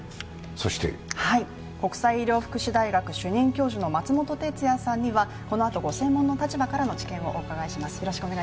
国際医療福祉大学主任教授の松本哲哉さんにはこのあとご専門の立場からの知見をお伺いします。